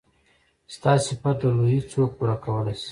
ستا صفت د لويي څوک پوره کولی شي.